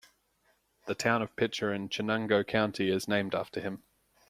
The town of Pitcher in Chenango County is named after him.